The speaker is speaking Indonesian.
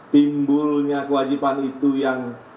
timbulnya kewajiban itu yang